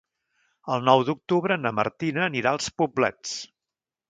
El nou d'octubre na Martina anirà als Poblets.